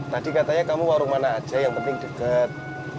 tadi katanya kamu warung mana aja yang penting dekat